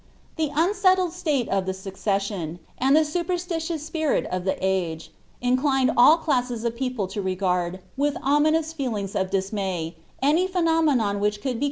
The unsettled smte of ihp suc niMion, and the siiperstitious spirit of tlie age, inclined all classes of prrwws to regnrtl, with ominous feelings of dismay, any phenomtnicm which eoutd be.